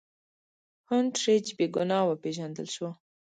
هونټریج بې ګناه وپېژندل شو.